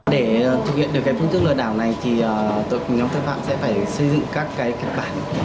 để thực hiện được cái phương thức lừa đảo này thì tội quỳnh ông tư phạm sẽ phải xây dựng các cái kết bản